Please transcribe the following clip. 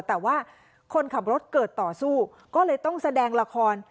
แต่ว่าคนขับรถเกิดต่อสู้ก็เลยต้องแสดงละคร